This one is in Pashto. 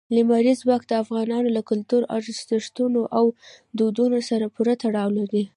لمریز ځواک د افغانانو له کلتوري ارزښتونو او دودونو سره پوره تړاو لري.